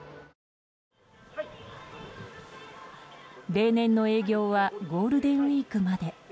例年の営業はゴールデンウィークまで。